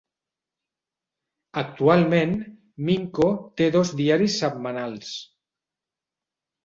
Actualment, Minco té dos diaris setmanals.